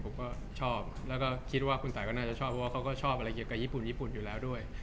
ผมก็ชอบแล้วก็คิดว่าคุณตายก็น่าจะชอบเพราะว่าเขาก็ชอบอะไรเกี่ยวกับญี่ปุ่นญี่ปุ่นอยู่แล้วด้วย